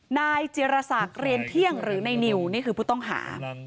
นายเจรศักดิ์เรียนเที่ยงหรือในนิวนี่คือผู้ต้องหา